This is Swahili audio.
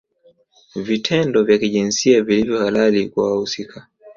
Vitendo vya kijinsia vilivyo halali kwa wahusika